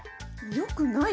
よくないよ。